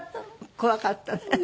怖かったね。